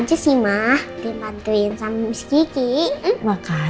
oh lagi sibuk